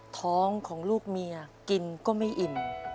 ท้องของลูกเมียกินก็ไม่อิ่ม